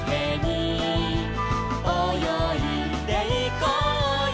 「およいでいこうよ」